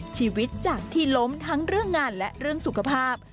ชีวิตจากที่ล้มทั้งเรื่องงานและเรื่องสุขภาพ